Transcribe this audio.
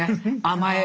甘え。